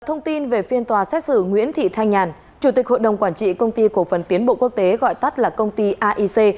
thông tin về phiên tòa xét xử nguyễn thị thanh nhàn chủ tịch hội đồng quản trị công ty cổ phần tiến bộ quốc tế gọi tắt là công ty aic